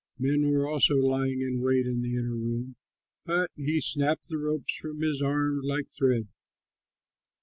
Men were also lying in wait in the inner room; but he snapped the ropes from his arms like thread.